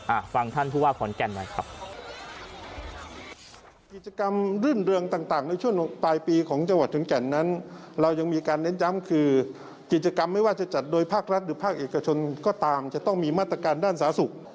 อ่ะฟังท่านพูดว่าขอนแก่นไหมครับ